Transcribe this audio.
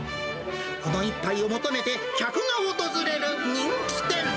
この一杯を求めて、客が訪れる人気店。